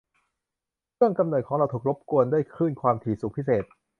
เครื่องกำเนิดของเราถูกรบกวนด้วยคลื่นความถี่สูงพิเศษ